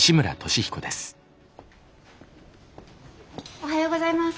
おはようございます。